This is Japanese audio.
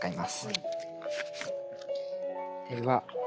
はい。